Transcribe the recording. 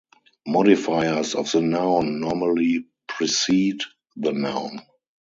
Modifiers of the noun normally precede the noun.